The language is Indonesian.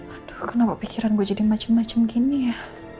aduh kenapa pikiran gue jadi macem macem gini ya